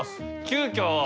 急きょ